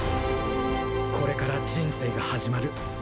これから人生が始まる。